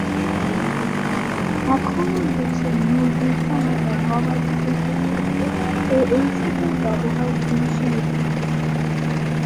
এখনও দেশে মুরগির খামার বা গবাদি পশুর ক্ষেত্রে এ ঔষধের ব্যবহার খুবই সীমিত।